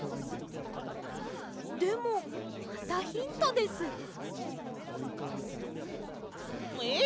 でもまたヒントです。えっ！？